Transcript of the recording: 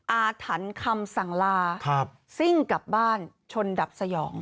อาถรรพ์คำสั่งลาซิ่งกลับบ้านชนดับสยอง